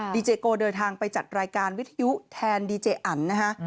ดีเจโกเดินทางไปจัดรายการวิทยุแทนดีเจอันนะฮะ